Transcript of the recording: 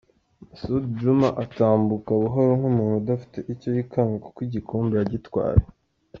Masud Djuma atambuka buhoro nk'umuntu udafite icyo yikanga kuko igikombe yagitwaye.